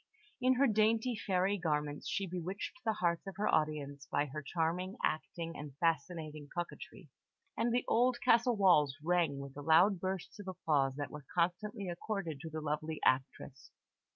In her dainty fairy garments she bewitched the hearts of her audience by her charming acting and fascinating coquetry, and the old castle walls rang with the loud bursts of applause that were constantly accorded to the lovely actress.